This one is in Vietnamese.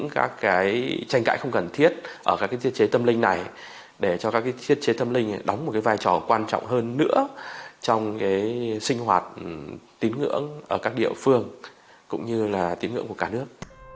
các cái tranh cãi không cần thiết ở các thiết chế tâm linh này để cho các thiết chế tâm linh đóng một cái vai trò quan trọng hơn nữa trong cái sinh hoạt tín ngưỡng ở các địa phương cũng như là tín ngưỡng của cả nước